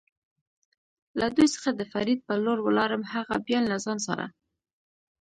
له دوی څخه د فرید په لور ولاړم، هغه بیا له ځان سره.